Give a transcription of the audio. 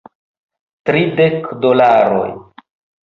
Tridek dolaroj